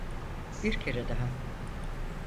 Bir kere daha.